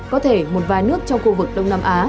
có thể một vài nước trong khu vực đông nam á